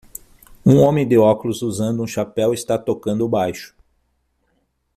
Um homem de óculos usando um chapéu está tocando o baixo